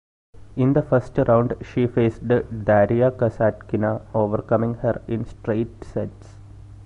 In the first round she faced Daria Kasatkina overcoming her in straight sets.